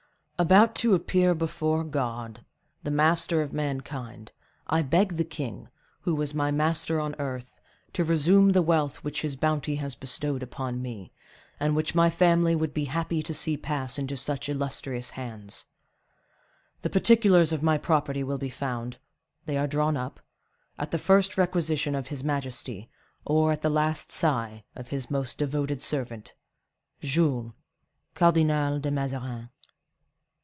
"About to appear before God, the Master of mankind, I beg the king, who was my master on earth, to resume the wealth which his bounty has bestowed upon me, and which my family would be happy to see pass into such illustrious hands. The particulars of my property will be found—they are drawn up—at the first requisition of his majesty, or at the last sigh of his most devoted servant, "JULES, Cardinal de Mazarin."